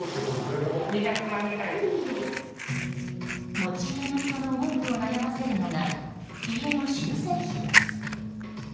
持ち家の人の多くを悩ませるのが家の修繕費です。